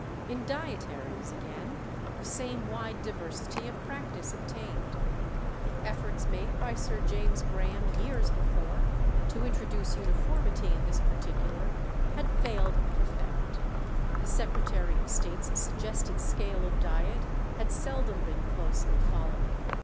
In dietaries, again, the same wide diversity of practice obtained. The efforts made by Sir James Graham years before to introduce uniformity in this particular had failed of effect. The Secretary of State's suggested scale of diet had seldom been closely followed.